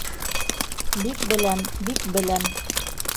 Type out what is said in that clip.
Бик беләм, бик беләм.